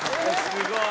すごい。